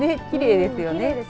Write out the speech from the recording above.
きれいいですよね。